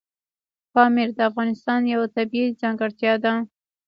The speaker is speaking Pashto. پامیر د افغانستان یوه طبیعي ځانګړتیا ده.